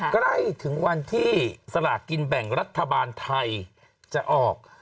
ใกล้ถึงวันที่สลากกินแบ่งรัฐบาลไทยจะออก